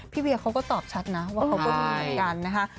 เวียเขาก็ตอบชัดนะว่าเขาก็มีเหมือนกันนะคะ